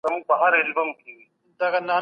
هیڅوک حق نه لري چي ږغ ثبت کړي.